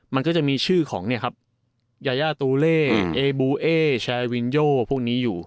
มันก็จะมีชื่อของเนี่ยครับยายาตูเล่เอบูเอแชร์วินโยพวกนี้อยู่